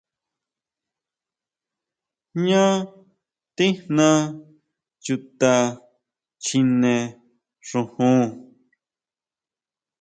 Jñá tijna chuta chjine xujun.